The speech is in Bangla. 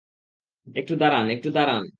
একটু দাঁড়ান, একটু দাঁড়ান!